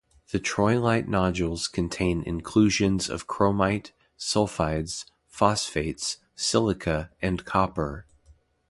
The troilite nodules contain inclusions of chromite, sulfides, phosphates, silica and copper.